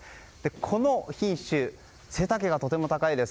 この品種、背丈がとても高いです。